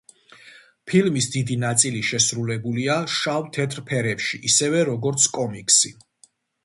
ფილმის დიდი ნაწილი შესრულებულია შავ-თეთრ ფერებში, ისევე როგორც კომიქსი.